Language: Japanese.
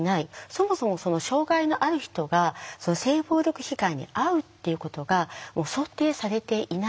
そもそも障害のある人が性暴力被害に遭うっていうことが想定されていない。